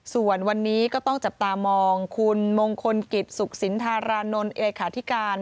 ส่วนวันนี้ก็ต้องจับตามองคุณมงคลกิจสุขสินธารานนท์เลขาธิการ